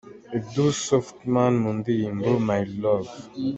Edouce Softman mu ndirimbo 'My Love'.